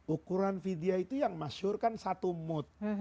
ukuran vidyah itu yang masyur kan satu mut